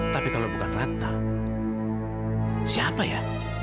tapi kalau bukan ratna siapa ya